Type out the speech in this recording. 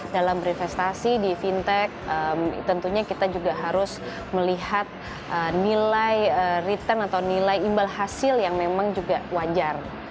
dalam berinvestasi di fintech tentunya kita juga harus melihat nilai return atau nilai imbal hasil yang memang juga wajar